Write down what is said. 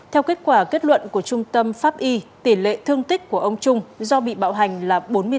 theo kết quả kết luận của trung tâm pháp y tỉ lệ thương tích của ông trung do bị bạo hành là bốn mươi bốn